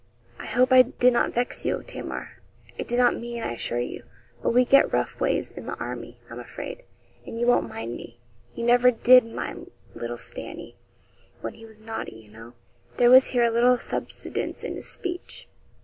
I hope I did not vex you, Tamar. I did not mean, I assure you; but we get rough ways in the army, I'm afraid, and you won't mind me. You never did mind little Stannie when he was naughty, you know.' There was here a little subsidence in his speech.